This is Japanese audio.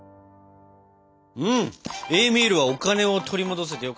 エーミールはお金を取り戻せてよかったですね。